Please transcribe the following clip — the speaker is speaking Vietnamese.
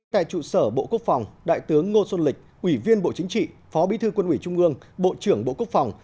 tại trụ sở bộ quốc phòng đại tướng ngô xuân lịch ủy viên bộ chính trị phó bí thư quân ủy trung ương bộ trưởng bộ quốc phòng